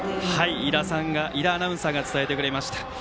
伊田アナウンサーが伝えてくれました。